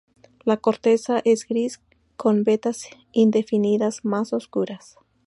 La corteza es gris con vetas indefinidas más oscuras.